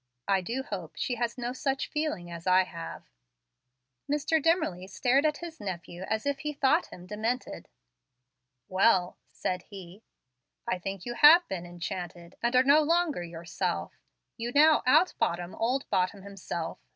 I do hope she has no such feeling as I have." Mr. Dimmerly stared at his nephew as if he thought him demented. "Well," said he, "I think you have been 'enchanted, and are no longer yourself.' You now out Bottom old Bottom himself.